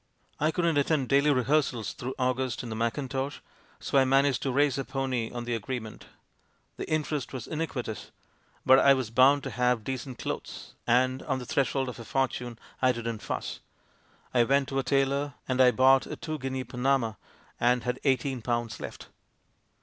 I couldn't attend daily rehearsals through August in the mackintosh, so I managed to raise a pony on the agreement. The interest was iniquitous, but I was bound to have decent clothes, and on the threshold of a fortune I didn't fuss. I went to a tailor, and I bought a two guinea panama, and had eighteen pounds left.